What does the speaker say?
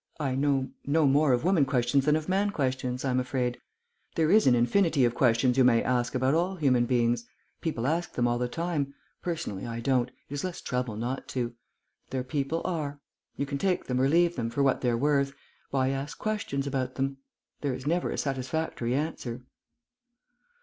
I know no more of woman questions than of man questions, I am afraid. There is an infinity of questions you may ask about all human beings. People ask them all the time. Personally, I don't; it is less trouble not to. There people are; you can take them or leave them, for what they're worth. Why ask questions about them? There is never a satisfactory answer."